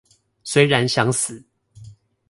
雖然想死